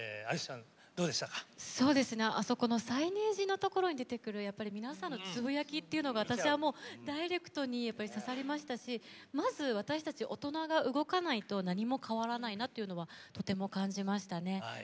あそこのサイネージのところに出てくる皆さんのつぶやきっていうのが私はダイレクトに刺さりましたしまず、私たち大人が動かないと何も変わらないなというのはとても感じましたね。